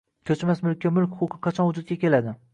Ko‘chmas mulkka mulk huquqi qachon vujudga keladi?